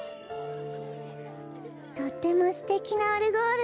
とってもすてきなオルゴール。